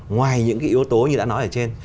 ngoài những cái yếu tố như đã nói ở trên